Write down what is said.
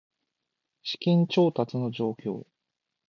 資金調達の状況